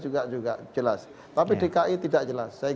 juga jelas tapi dki tidak jelas